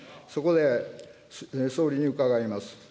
そこで総理に伺います。